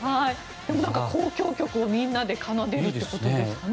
でも、交響曲をみんなで奏でるということですかね。